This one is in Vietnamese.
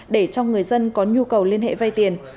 để cho người dân có nhu cầu liên hệ vai tiền